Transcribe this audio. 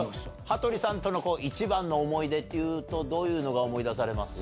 羽鳥さんとの一番の思い出ってどういうのが思い出されます？